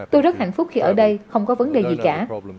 tôi rất hạnh phúc khi ở đây không có vấn đề gì cả